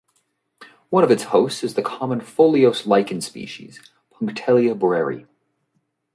One of its hosts is the common foliose lichen species "Punctelia borreri".